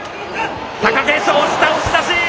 貴景勝押した、押し出し。